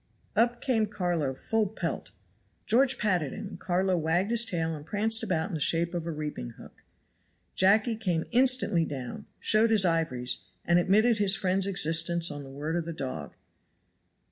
Up came Carlo full pelt. George patted him, and Carlo wagged his tail and pranced about in the shape of a reaping hook. Jacky came instantly down, showed his ivories, and admitted his friend's existence on the word of the dog.